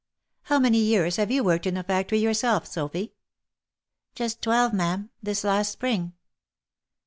" How many years have you worked in the factory yourself, Sophy?" " Just twelve, ma'am, this last spring."